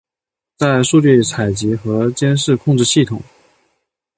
在数据采集与监视控制系统。